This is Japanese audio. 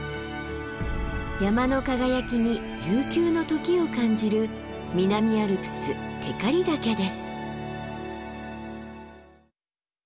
山の輝きに悠久の時を感じる南アルプス光岳です。